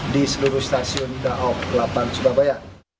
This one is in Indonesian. di seluruh stasiun daob delapan surabaya